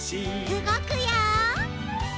うごくよ！